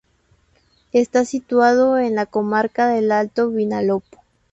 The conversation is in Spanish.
Está situado en la comarca del Alto Vinalopó.